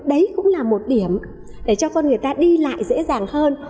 đấy cũng là một điểm để cho con người ta đi lại dễ dàng hơn